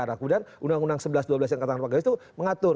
kemudian undang undang sebelas dua belas yang dikatakan pak gajah itu mengatur